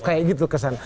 kayak gitu kesan